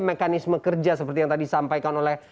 mekanisme kerja seperti yang tadi disampaikan oleh